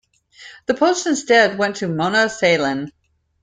The post instead went to Mona Sahlin.